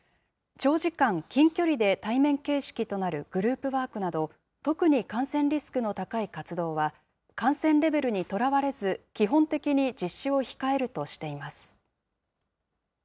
長時間、近距離で対面形式となるグループワークなど、特に感染リスクの高い活動は、感染レベルにとらわれず、基本的に実施を控えるとしています。